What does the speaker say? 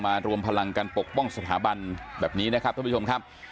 รวมพลังกันปกป้องสถาบันแบบนี้นะครับท่านผู้ชมครับ